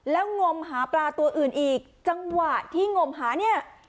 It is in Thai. แล้วงมหาปลาตัวอื่นอีกจังหวะที่งมหาเนี่ย